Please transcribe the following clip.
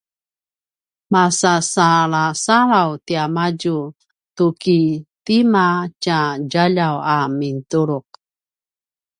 masasalasalaw tiamadju tu ki tima tja djaljaw a mintuluq